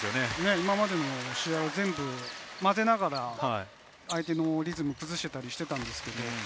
今までの試合、全部まぜながら、相手のリズムを崩したりしていたけど。